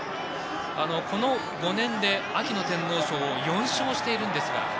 この５年で、秋の天皇賞を４勝しているんですが。